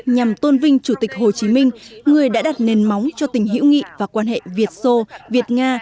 nhằm tôn vinh chủ tịch hồ chí minh người đã đặt nền móng cho tình hữu nghị và quan hệ việt sô việt nga